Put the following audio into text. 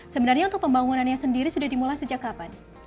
sebenarnya untuk pembangunannya sendiri sudah dimulai sejak kapan